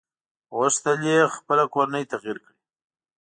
غوښتل يې خپله کورنۍ تغيير کړي.